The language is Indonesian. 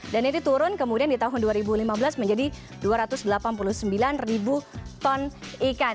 dan ini turun kemudian di tahun dua ribu lima belas menjadi dua ratus delapan puluh sembilan ribu ton ikan